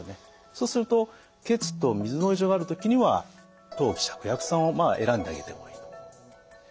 そうすると血と水の異常がある時には当帰芍薬散を選んであげてもいいと。